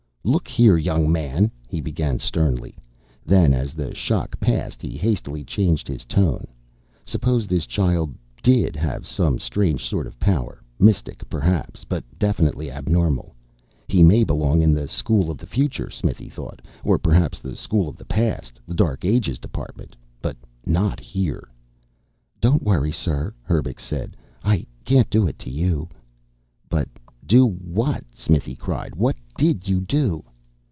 "Look here, young man," he began sternly. Then, as the shock passed, he hastily changed his tone. Suppose this child did have some strange sort of power mystic perhaps, but definitely abnormal. He may belong in the School of the Future, Smithy thought. Or perhaps in the School of the Past the Dark Ages Department. But not here! "Don't worry, sir," Herbux said. "I can't do it to you." "But do what?" Smithy cried. "What did you do?"